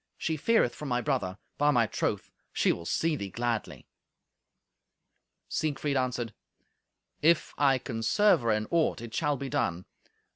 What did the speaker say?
She feareth for my brother; by my troth, she will see thee gladly." Siegfried answered, "If I can serve her in aught, it shall be done.